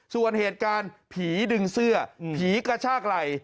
ส่วนเหตุการณ์ผีดึงเสื้อผีกระชากไหล่